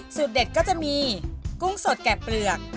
เด็ดก็จะมีกุ้งสดแก่เปลือก